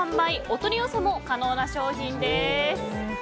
お取り寄せも可能な商品です。